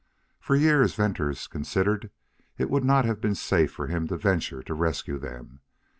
For years Venters considered it would not have been safe for him to venture to rescue them.